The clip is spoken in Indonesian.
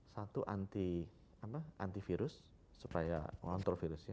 satu antivirus supaya mengontrol virusnya